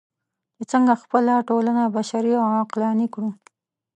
چې څنګه خپله ټولنه بشري او عقلاني کړو.